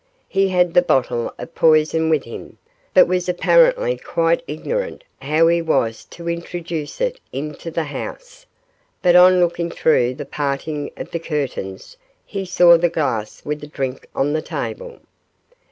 He had the bottle of poison with him, but was apparently quite ignorant how he was to introduce it into the house, but on looking through the parting of the curtains he saw the glass with the drink on the table.